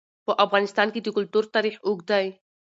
په افغانستان کې د کلتور تاریخ اوږد دی.